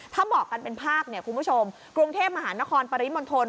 ถ้าบอกกันเป็นภาคเนี่ยคุณผู้ชมกรุงเทพมหานครปริมณฑล